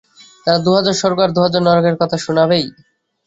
তারা দু-হাজার স্বর্গ আর দু-হাজার নরকের কথা শোনাবেই।